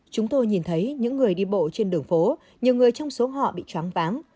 chúng tôi nhìn thấy những người đi bộ trên đường phố nhiều người trong số họ bị chóng váng